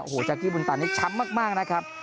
โอ้โหจากกี้บุญตานี่ช้ำมากนะครับ